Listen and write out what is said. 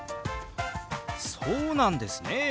そうなんですね！